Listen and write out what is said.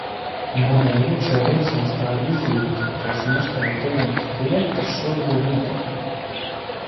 Manī iekšā rosās tā izjūta, ka es nespēju pieņemt to, kas šobrīd notiek.